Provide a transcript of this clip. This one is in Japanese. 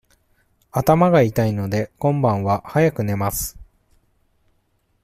頭が痛いので、今晩は早く寝ます。